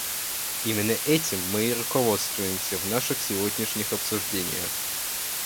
Именно этим мы и руководствуемся в наших сегодняшних обсуждениях.